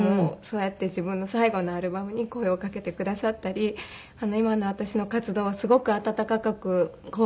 そうやって自分の最後のアルバムに声をかけてくださったり今の私の活動をすごく温かく見守ってくれて。